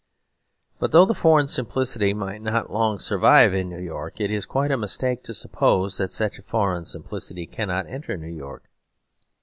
But though the foreign simplicity might not long survive in New York, it is quite a mistake to suppose that such foreign simplicity cannot enter New York.